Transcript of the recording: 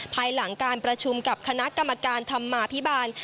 ภายหลังการประชุมกับคณะกรรมการธรรมาภิบาล